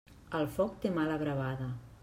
El foc té mala bravada.